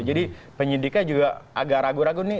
jadi penyidiknya juga agak ragu ragu nih